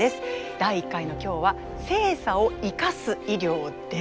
第１回の今日は性差を生かす医療です。